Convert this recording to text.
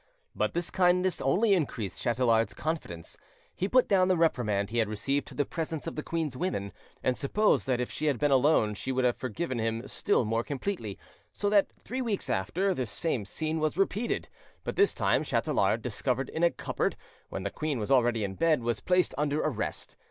But this kindness only increased Chatelard's confidence: he put down the reprimand he had received to the presence of the queen's women, and supposed that if she had been alone she would have forgiven him still more completely; so that, three weeks after, this same scene was repeated. But this time, Chatelard, discovered in a cupboard, when the queen was already in bed, was placed under arrest.